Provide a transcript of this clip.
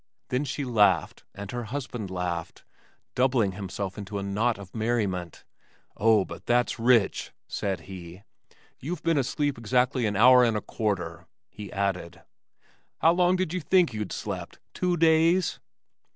Then she laughed, and her husband laughed, doubling himself into a knot of merriment. "Oh, but that's rich!" said he. "You've been asleep exactly an hour and a quarter," he added. "How long did you think you'd slept two days?"